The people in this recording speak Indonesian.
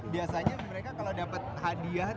biasanya mereka kalau dapat hadiah